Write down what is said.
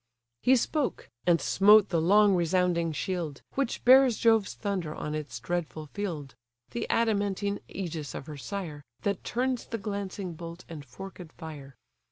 He spoke, and smote the long resounding shield, Which bears Jove's thunder on its dreadful field: The adamantine ægis of her sire, That turns the glancing bolt and forked fire.